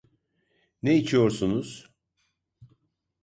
Ne içiyorsunuz?